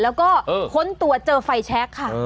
แล้วก็ค้นตัวเจอไฟแชคค่ะ